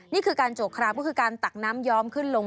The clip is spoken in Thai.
นี่คือการโจกคราบก็คือการตักน้ำย้อมขึ้นลง